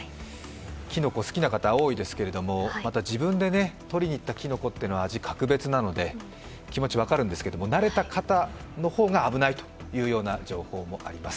きのこ、好きな方、多いですがまた自分で採りに行ったきのこというのは、味、格別なので、気持ちは分かるんですけど、なれた方の方が危ないという情報もあります。